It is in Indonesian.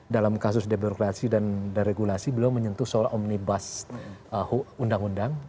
dalam kasus demokrasi dan regulasi beliau menyentuh soal omnibus undang undang